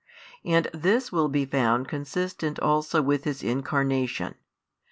And this will be found consistent also with His Incarnation.